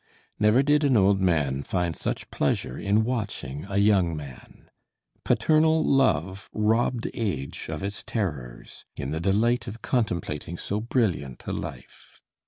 Never did an old man find such pleasure in watching a young man. Paternal love robbed age of its terrors in the delight of contemplating so brilliant a life.